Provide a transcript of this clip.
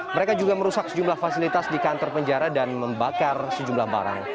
mereka juga merusak sejumlah fasilitas di kantor penjara dan membakar sejumlah barang